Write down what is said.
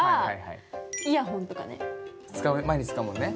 毎日使うもんね。